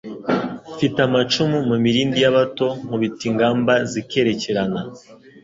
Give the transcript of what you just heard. Mfite amacumu mu milindi y'abato, Nkubita ingamba zikerekerana.